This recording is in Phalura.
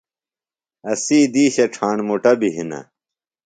اسی دِیشہ ڇھاݨ مُٹہ بیۡ ہِنہ۔